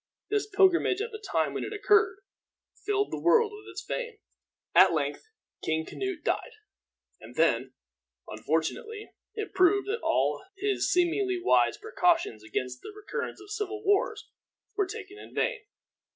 This pilgrimage, at the time when it occurred, filled the world with its fame. At length King Canute died, and then, unfortunately, it proved that all his seemingly wise precautions against the recurrence of civil wars were taken in vain.